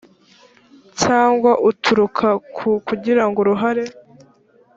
cyangwa uturuka ku kugira uruhare